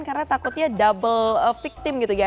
karena takutnya double victim gitu ya